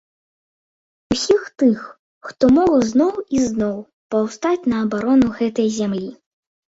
Усіх тых, хто мог зноў і зноў паўстаць на абарону гэтай зямлі.